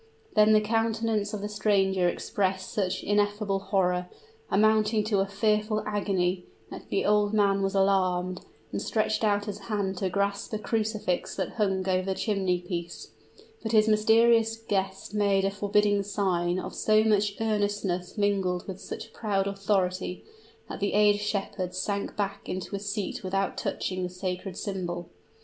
Then the countenance of the stranger expressed such ineffable horror, amounting to a fearful agony, that the old man was alarmed, and stretched out his hand to grasp a crucifix that hung over the chimney piece; but his mysterious guest made a forbidding sign of so much earnestness mingled with such proud authority, that the aged shepherd sank back into his seat without touching the sacred symbol.